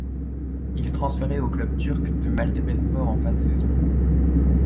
Il est transféré au club turc de Maltepespor en fin de saison.